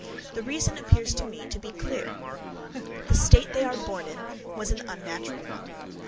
The reason appears to me clear; the state they are born in was an unnatural one.